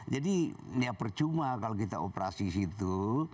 jadi percuma kalau kita operasi di situ